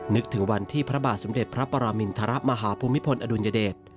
นึกถึงวันที่พระบาทสมเด็จพระปรมินทรมาฮภูมิพลอดุลยเดช